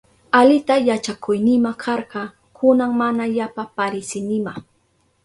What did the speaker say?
Alita yachakuynima karka, kunan mana yapa parisinima.